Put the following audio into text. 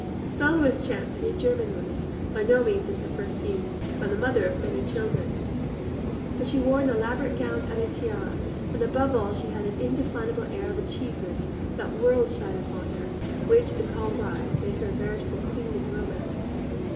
The soloist chanced to be a German woman, by no means in her first youth, and the mother of many children; but she wore an elaborate gown and a tiara, and above all she had that indefinable air of achievement, that world shine upon her, which, in Paul's eyes, made her a veritable queen of Romance.